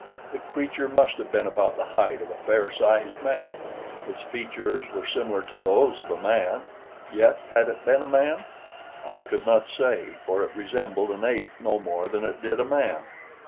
The creature must have been about the height of a fair sized man; its features were similar to those of a man; yet had it been a man? I could not say, for it resembled an ape no more than it did a man.